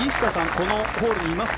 このホールにいますか？